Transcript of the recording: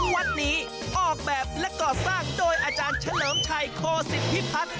วัดนี้ออกแบบและก่อสร้างโดยอาจารย์เฉลิมชัยโคศิษฐพิพัฒน์